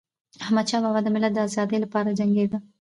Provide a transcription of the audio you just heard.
احمدشاه بابا د ملت د ازادی لپاره جنګيده.